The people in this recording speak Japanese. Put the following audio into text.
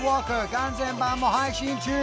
完全版も配信中！